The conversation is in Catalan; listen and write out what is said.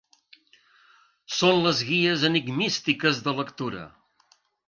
Són les guies enigmístiques de lectura.